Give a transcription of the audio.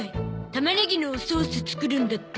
タマネギのおソース作るんだって。